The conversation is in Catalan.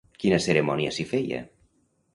Quina cerimònia s'hi feia?